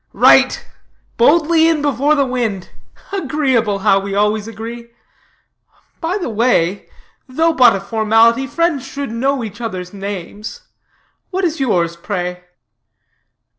"Right. Boldly in before the wind. Agreeable, how we always agree. By the way, though but a formality, friends should know each other's names. What is yours, pray?"